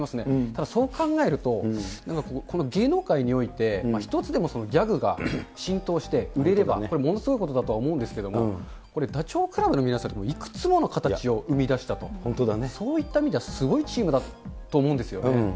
ただ、そう考えると、芸能界において、１つでもギャグが浸透して売れれば、これものすごいことだとは思うんですけれども、これ、ダチョウ倶楽部の皆さんっていくつもの形を生み出したと、本当にそういった意味ではすごいチームだと思うんですよね。